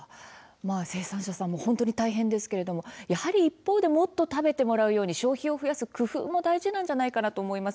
生産者さんも本当に大変ですけれども一方でもっと食べてもらうように消費を増やす工夫も大事だと思います。